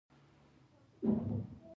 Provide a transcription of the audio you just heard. طیاره د سفرونو نړیواله اسانتیا ده.